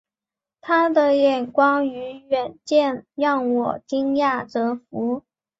他的眼光与远见让我惊讶折服